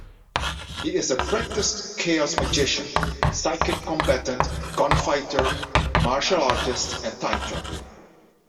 He is a practiced chaos magician, psychic combatant, gunfighter, martial artist and time traveler.